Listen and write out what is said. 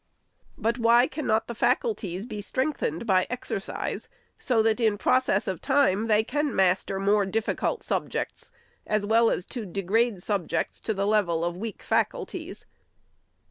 But why cannot the facul ties be strengthened by exercise, so that, in process of time, they can master more difficult subjects, as well as to degrade subjects to the level of weak faculties